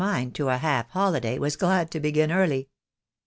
mind to a half holiday was glad to begin early.